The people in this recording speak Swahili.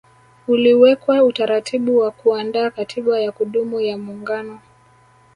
Uliwekwa utaratibu wa kuandaa katiba ya kudumu ya muungano